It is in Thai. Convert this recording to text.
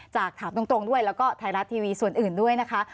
แล้วก็ไทยรัฐทีวีส่วนอื่นด้วยนะคะ